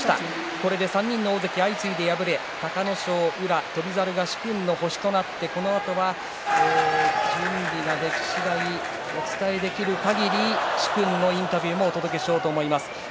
これで３人の大関が相次いで敗れ隆の勝、宇良、翔猿ら殊勲の星となって、このあとは準備ができ次第お伝えできるかぎり殊勲のインタビューもお届けしようと思います。